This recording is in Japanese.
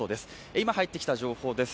今入ってきた情報です。